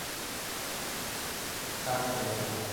საკლუბო დონეზე იგი „დინამოს“ მეორე გუნდში გამოჩნდა.